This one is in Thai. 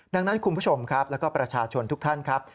ดังนั้นคุณผู้ชมครับแล้วก็ประชาชนทุกท่านครับ